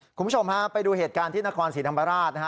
คุณผู้ชมฮะไปดูเหตุการณ์ที่นครศรีธรรมราชนะฮะ